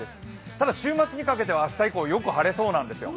ただ週末にかけては明日以降よく晴れそうなんですよ。